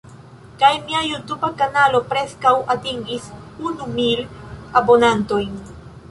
Kaj mia Jutuba kanalo preskaŭ atingis unu mil abonantojn.